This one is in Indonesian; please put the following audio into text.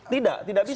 tidak tidak bisa